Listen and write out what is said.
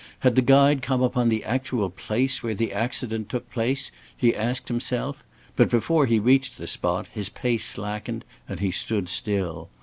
Had the guide come upon the actual place where the accident took place, he asked himself? But before he reached the spot, his pace slackened, and he stood still.